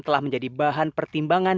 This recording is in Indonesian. telah menjadi bahan pertimbangan